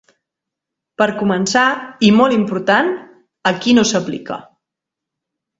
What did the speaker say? Per començar –i molt important– a qui no s’aplica.